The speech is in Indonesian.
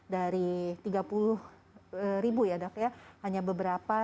dari tiga puluh ribu ya dok ya hanya beberapa